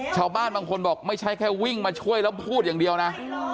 ชาวบ้านบางคนบอกไม่ใช่แค่วิ่งมาช่วยแล้วพูดอย่างเดียวนะ